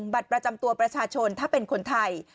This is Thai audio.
บัตรประจำตัวประชาชนถ้าเป็นคนไทย